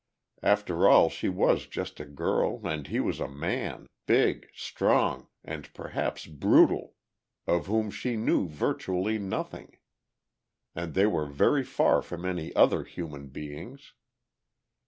After all she was just a girl and he was a man, big, strong and perhaps brutal, of whom she knew virtually nothing. And they were very far from any other human beings....